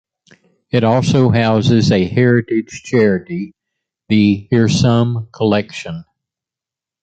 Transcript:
It also houses a heritage charity, The Hearsum Collection.